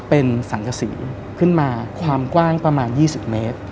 เป็นสังกษีขึ้นมาความกว้างประมาณ๒๐เมตร